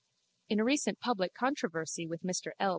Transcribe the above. In a recent public controversy with Mr L.